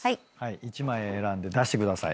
１枚選んで出してください。